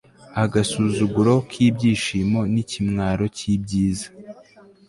Agasuzuguro kibyishimo nikimwaro cyibyiza